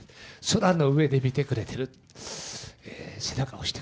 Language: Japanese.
空の上で見てくれてる。